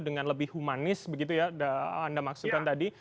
dengan lebih humanis begitu ya anda maksudkan tadi